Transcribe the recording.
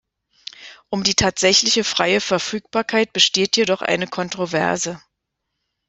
Um die tatsächliche freie Verfügbarkeit besteht jedoch eine Kontroverse.